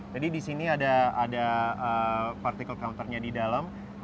jadi di sini ada partikel counternya di dalam